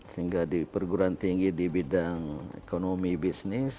sehingga di perguruan tinggi di bidang ekonomi bisnis